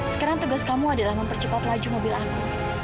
sekarang tugas kamu adalah mempercepat laju mobil aku